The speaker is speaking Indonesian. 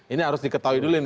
ini harus diketahui dulu nih